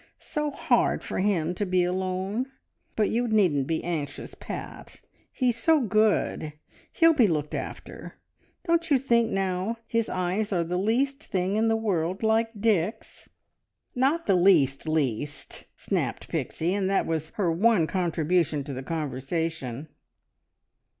So hard for, him to be alone. But you needn't be anxious, Pat. He's so good. He'll be looked after! ... Don't you think, now, his eyes are the least thing in the world like Dick's?" "Not the least least!" snapped Pixie, and that was her one contribution to the conversation.